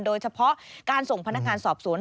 โดยเฉพาะการส่งพนักงานสอบสวน